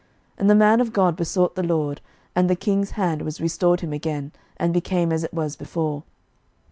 And the man of God besought the LORD, and the king's hand was restored him again, and became as it was before.